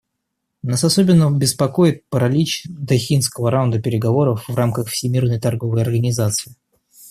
Нас особенно беспокоит паралич Дохинского раунда переговоров в рамках Всемирной торговой организации.